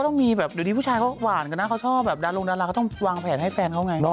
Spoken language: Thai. เดี๋ยวที่ผู้ชายเฝ้าหวานแต่ต้องวางแผนให้เขาไง